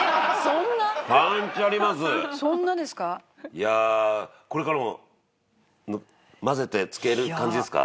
いやこれからも混ぜて漬ける感じですか？